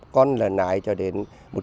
con lần này cho đến